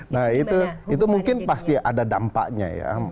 nah itu mungkin pasti ada dampaknya ya